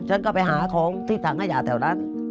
ฉันก็ไปหาของที่ถังขยะแถวนั้น